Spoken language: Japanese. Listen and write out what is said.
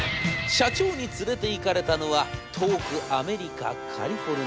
社長に連れていかれたのは遠くアメリカカリフォルニア。